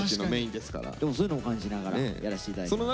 でもそういうのも感じながらやらして頂いてます。